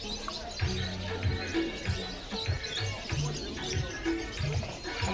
makaa ya mawe hubadilisha rangi kutoka samawati hadi nyeusi